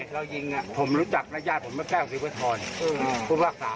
เรายิงผมรู้จักนะญาติผมก็แก้วสิวิธรผู้ภาคศา